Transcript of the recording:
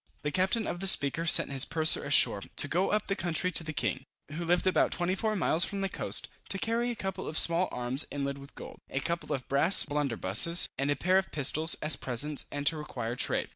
The captain of the Speaker sent his purser ashore, to go up the country to the king, who lived about 24 miles from the coast, to carry a couple of small arms inlaid with gold, a couple of brass blunderbusses, and a pair of pistols, as presents, and to require trade.